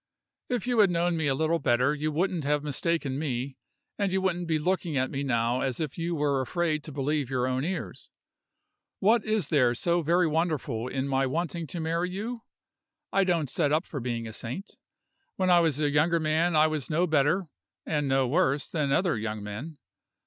"If you had known me a little better you wouldn't have mistaken me, and you wouldn't be looking at me now as if you were afraid to believe your own ears. What is there so very wonderful in my wanting to marry you? I don't set up for being a saint. When I was a younger man I was no better (and no worse) than other young men.